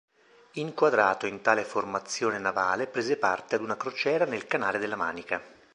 Inquadrato in tale formazione navale prese parte ad una crociera nel Canale della Manica.